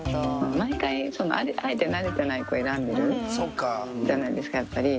毎回、あえてなれてない子を選んでるじゃないですか、やっぱり。